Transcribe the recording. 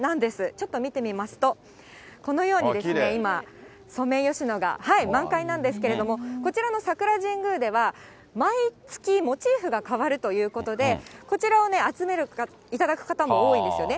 ちょっと見てみますと、このようにですね、今、ソメイヨシノが満開なんですけれども、こちらの桜神宮では、毎月モチーフが変わるということで、こちらを集める方も多いんですよね。